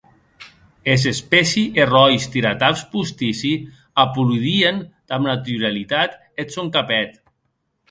Es espessi e ròis tirataps postissi apolidien damb naturalitat eth sòn capet.